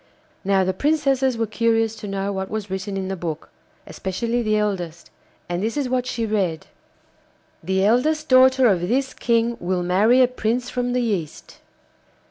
Now the Princesses were curious to know what was written in the book, especially the eldest, and this is what she read: 'The eldest daughter of this King will marry a prince from the East.